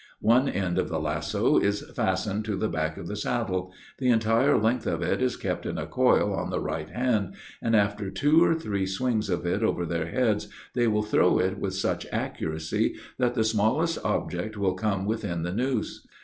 One end of the lasso is fastened to the back of the saddle: the entire length of it is kept in a coil on the right hand, and after two or three swings of it over their heads, they will throw it with such accuracy that the smallest object will come within the noose.